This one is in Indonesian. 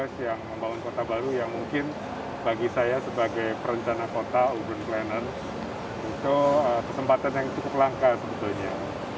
memang satu tugas yang membangun kota baru yang mungkin bagi saya sebagai perencanaan kota urban planning itu kesempatan yang cukup langka sebetulnya